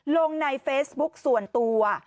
ลงในเฟซบุ๊กส่วนตัว